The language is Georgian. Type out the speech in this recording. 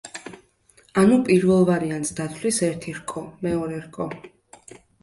ანუ, პირველ ვარიანტს დათვლის ერთი რკო, მეორე რკო.